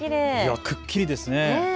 くっきりですね。